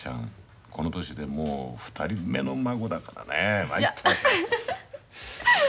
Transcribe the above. この年でもう２人目の孫だからね参った。